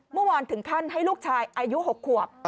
เมื่อวานถึงขั้นให้ลูกชายอายุ๖ขวบ